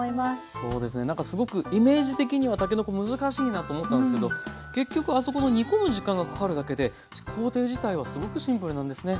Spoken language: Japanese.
そうですねなんかすごくイメージ的にはたけのこ難しいなと思ったんですけど結局あそこの煮込む時間がかかるだけで工程自体はすごくシンプルなんですね。